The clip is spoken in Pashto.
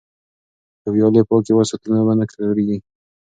که ویالې پاکې وساتو نو اوبه نه ککړیږي.